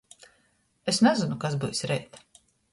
Es nazynu, kas byus reit.